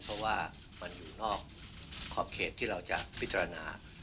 เพราะว่ามันอยู่นอกขอบเขตที่เราจะพิจารณา